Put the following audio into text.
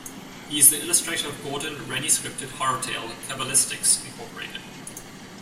He is the illustrator of Gordon Rennie-scripted horror tale Caballistics, Inc..